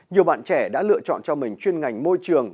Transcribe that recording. nhiều bạn trẻ đã lựa chọn cho mình chuyên ngành môi trường